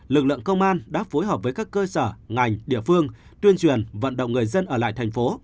lực lượng công an đã phối hợp với các cơ sở ngành địa phương tuyên truyền vận động người dân ở lại thành phố